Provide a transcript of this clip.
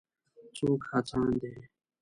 څوک هڅاند دی.